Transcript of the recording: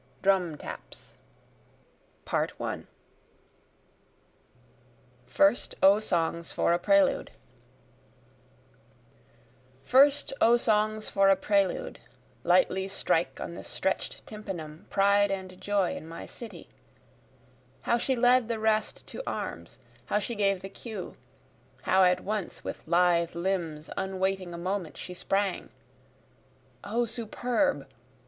DRUM TAPS First O Songs for a Prelude First O songs for a prelude, Lightly strike on the stretch'd tympanum pride and joy in my city, How she led the rest to arms, how she gave the cue, How at once with lithe limbs unwaiting a moment she sprang, (O superb!